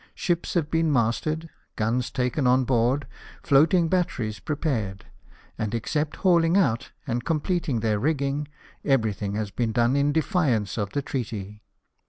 Ships have been masted, guns taken on board, floating batteries prepared, and, except hauling out and completing their rigging, everything has been done in defiance of the treaty.